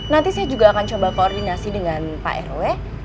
nanti saya juga akan coba koordinasi dengan pak rw